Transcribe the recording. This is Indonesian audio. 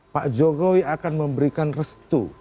pak jokowi akan memberikan restu